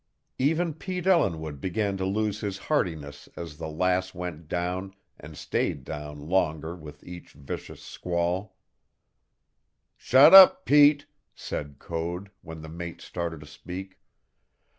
Even Pete Ellinwood began to lose his heartiness as the Lass went down and stayed down longer with each vicious squall. "Shut up, Pete!" said Code, when the mate started to speak.